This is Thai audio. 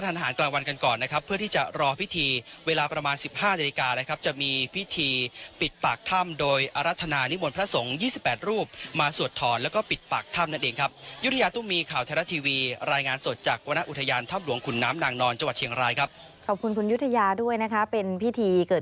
แด่พระสงคร์รวมถึงจิตอาสาวพระชาชนที่มาร่วมงานในวันนี้